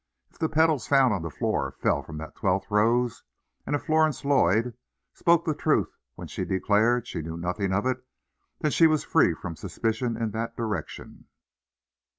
If the petals found on the floor fell from that twelfth rose, and if Florence Lloyd spoke the truth when she declared she knew nothing of it, then she was free from suspicion in that direction.